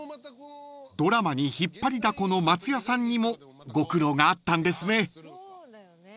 ［ドラマに引っ張りだこの松也さんにもご苦労があったんですね］